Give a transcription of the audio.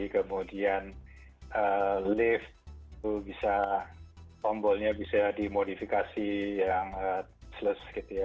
kemudian lift itu bisa tombolnya bisa dimodifikasi yang selesai gitu ya